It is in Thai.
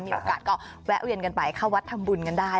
มีโอกาสก็แวะเวียนกันไปเข้าวัดทำบุญกันได้